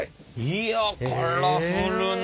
いやカラフルな！